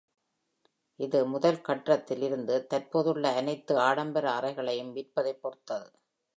இது முதல் கட்டத்தில் இருந்து தற்போதுள்ள அனைத்து ஆடம்பர அறைகளையும் விற்பதைப் பொறுத்தது.